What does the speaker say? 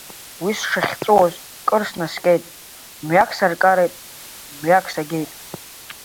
Уи сшахьҵәуоз кыр снаскьеит, мҩак саркареит, мҩак сагеит.